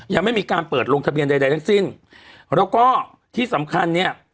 ยังไม่มีการเปิดลงทะเบียนใดใดทั้งสิ้นแล้วก็ที่สำคัญเนี่ย